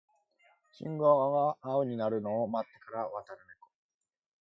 信号が青になるのを待ってから渡るネコ